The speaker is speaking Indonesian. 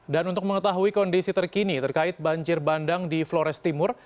dan untuk mengetahui kondisi terkini terkait banjir bandang di flores timur